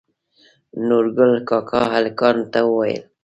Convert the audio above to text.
نورګل کاکا هلکانو ته وويل